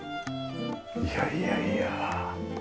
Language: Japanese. いやいやいや。